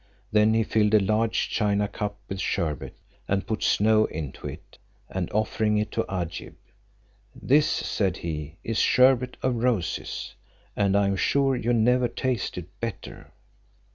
Then he filled a large china cup with sherbet, and put snow into it; and offering it to Agib, "This," said he, "is sherbet of roses; and I am sure you never tasted better."